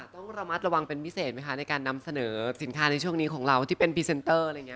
ต้องระมัดระวังเป็นพิเศษไหมคะในการนำเสนอสินค้าในช่วงนี้ของเราที่เป็นพรีเซนเตอร์อะไรอย่างนี้